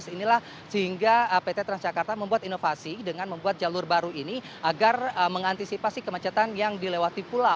inilah sehingga pt transjakarta membuat inovasi dengan membuat jalur baru ini agar mengantisipasi kemacetan yang dilewati pula